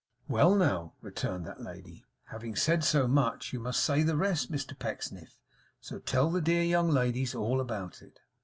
'Well now,' returned that lady, 'having said so much, you must say the rest, Mr Pecksniff; so tell the dear young ladies all about it.